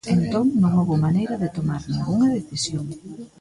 Entón non houbo maneira de tomar ningunha decisión.